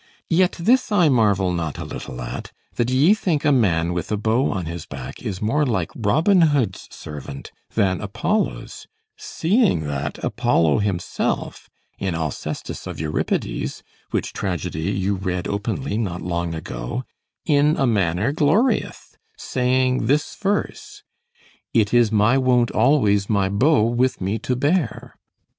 Yet this I marvel not a little at, that ye think a man with a bow on his back is more like Robin Hood's servant than Apollo's, seeing that Apollo himself, in Alcestis of Euripides, which tragedy you read openly not long ago, in a manner glorieth, saying this verse: "It is my wont always my bow with me to bear."